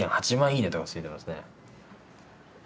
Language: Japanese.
いいねとかついてますね。